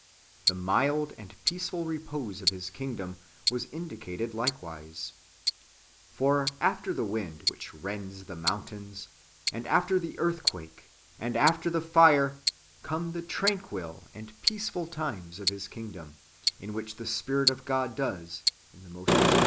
^ The mild and peaceful repose of His kino dom was indicated likewise. For, after the wind which rends the mountains, and after the earthquake, and after the fire, come the tranquil and peaceful times of His kingdom, in which the Spirit of God does, in the most gentle • Num.